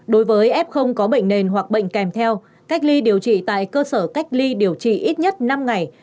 đối với f có bệnh nền hoặc bệnh kèm theo cách ly điều trị tại cơ sở cách ly điều trị ít nhất năm ngày